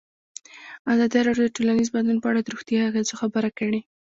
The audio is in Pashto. ازادي راډیو د ټولنیز بدلون په اړه د روغتیایي اغېزو خبره کړې.